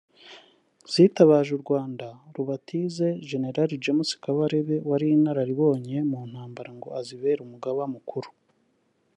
zitabaje u Rwanda rubatiza Gen James Kaberebe wari inararibonye mu ntambara ngo azibere Umugaba mukuru